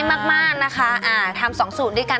มากนะคะทำ๒สูตรด้วยกัน